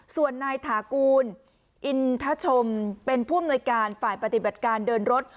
ส่วนนายถากูลอินทชมเป็นผู้อำนวยการฝ่ายปฏิบัติการเดินรถ